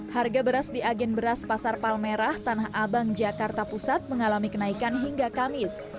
harga beras di agen beras pasar palmerah tanah abang jakarta pusat mengalami kenaikan hingga kamis